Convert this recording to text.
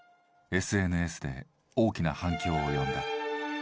ＳＮＳで大きな反響を呼んだ。